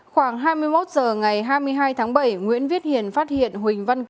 khoảng hai mươi một h ngày hai mươi hai tháng bảy nguyễn viết hiền phát hiện huỳnh văn c